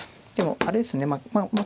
でもあれですねまあ